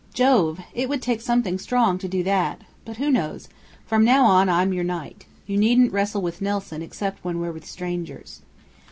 Jove! it would take something strong to do that! But who knows? From now on I'm your 'Knight.' You needn't wrestle with 'Nelson' except when we're with strangers.